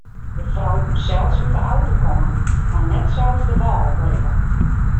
De frou koe sels út de auto komme mar net sels de wâl berikke.